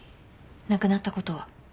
亡くなったことは？